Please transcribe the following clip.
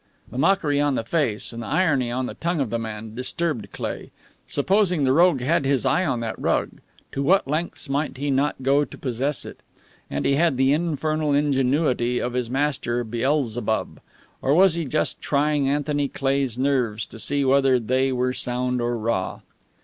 The mockery on the face and the irony on the tongue of the man disturbed Cleigh. Supposing the rogue had his eye on that rug? To what lengths might he not go to possess it? And he had the infernal ingenuity of his master, Beelzebub. Or was he just trying Anthony Cleigh's nerves to see whether they were sound or raw?